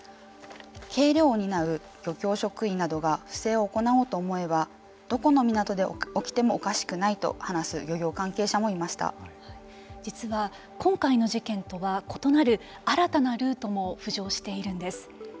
計量を担う漁協職員などが不正を行おうと思えばどこの港で起きてもおかしくないと話す実は今回の事件とは異なる新たなルートも浮上しているんです。